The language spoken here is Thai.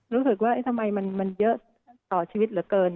รู้สึกว่าทำไมมันเยอะต่อชีวิตเหลือเกิน